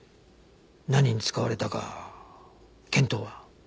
何に使われたか見当は？